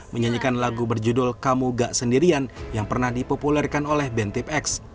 menyanyikan lagu berjudul kamu gak sendirian yang pernah dipopulerkan oleh bentip x